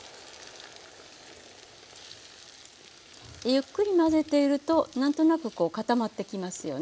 ゆっくり混ぜていると何となくこう固まってきますよね。